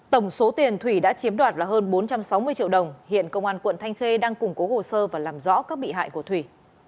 tổng số tiền thủy đã chiếm đoạt là hơn bốn trăm sáu mươi triệu đồng hiện công an quận thanh khê đang củng cố hồ sơ và làm rõ các bị hại của thủy